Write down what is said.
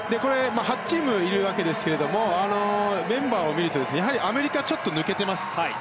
８チームいるわけですけどメンバーを見るとアメリカ、抜けてます。